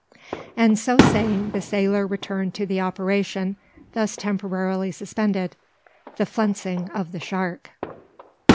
And so saying, the sailor returned to the operation, thus temporarily suspended, the flensing of the shark.